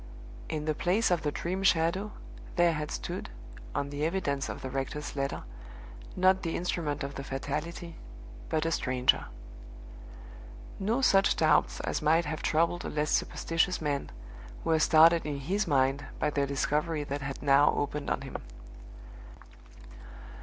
In the place of the Dream Shadow, there had stood, on the evidence of the rector's letter, not the instrument of the Fatality but a stranger! No such doubts as might have troubled a less superstitious man, were started in his mind by the discovery that had now opened on him.